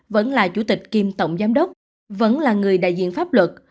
vẫn là chủ tịch kiêm tổng giám đốc vẫn là người đại diện pháp luật